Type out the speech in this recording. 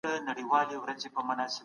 آيا په جګړه کي عدالت ساتل کيدای سي؟